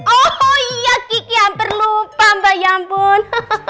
oh iya kiki hampir lupa mbak ya ampun